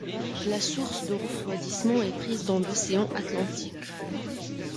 La source de refroidissement est prise dans l'Océan atlantique.